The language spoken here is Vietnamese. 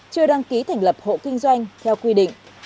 chưa đăng ký thành lập hộ kinh doanh theo quy định